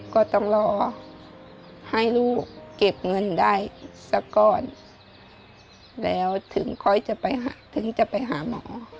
ก็ต้องรอให้ลูกเก็บเงินได้สักก้อนแล้วถึงค่อยจะไปหาถึงจะไปหาหมอ